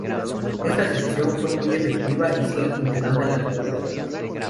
Esta Asociación fue muy efectiva y sigue funcionando en la actualidad.